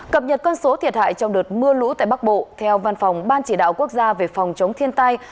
cập nhật con số thiệt hại trong đợt mưa lũ tại bắc bộ theo văn phòng ban chỉ đạo quốc gia về phòng chống thiên tai